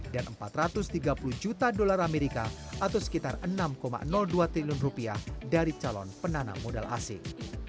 dan rp empat ratus tiga puluh juta dolar amerika atau sekitar rp enam dua triliun dari calon penanam modal asing